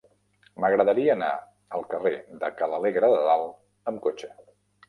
M'agradaria anar al carrer de Ca l'Alegre de Dalt amb cotxe.